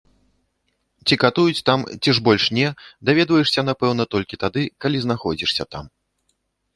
Ці катуюць там ці ж больш не, даведваешся напэўна толькі тады, калі знаходзішся там.